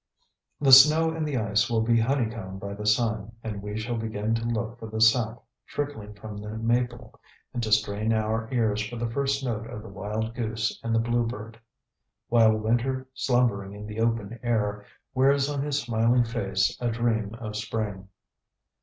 The snow and the ice will be honeycombed by the sun and we shall begin to look for the sap trickling from the maple, and to strain our ears for the first note of the wild goose and the blue bird, _"While winter, slumbering in the open air Wears on his smiling face a dream of spring."